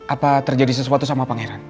apa terjadi sesuatu sama pangeran